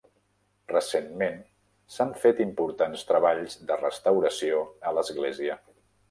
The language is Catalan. Recentment, s'han fet importants treballs de restauració a l'església.